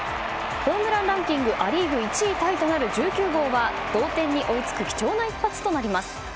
ホームランランキングア・リーグ１位タイとなる１９号は、同点に追いつく貴重な一発となります。